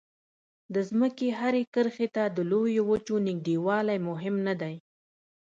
د ځمکې هرې کرښې ته د لویو وچو نږدېوالی مهم نه دی.